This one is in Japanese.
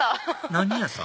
何屋さん？